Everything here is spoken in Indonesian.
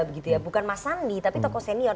bukan mas andi tapi tokoh senior